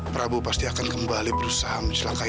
prabu pasti akan kembali berusaha mencelakai aku lagi